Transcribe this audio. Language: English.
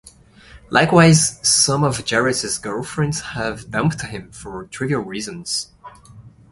Likewise, some of Jerry's girlfriends have dumped him for trivial reasons.